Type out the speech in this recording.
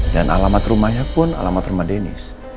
dan alamat rumahnya pun alamat rumah denny